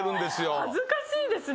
恥ずかしいですね。